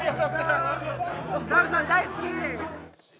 ダルさん、大好き！